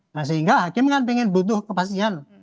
nah sehingga hakim kan ingin butuh kepastian